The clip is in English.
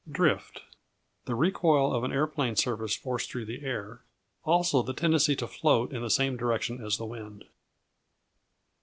Drift The recoil of an aeroplane surface forced through the air: also the tendency to float in the same direction as the wind.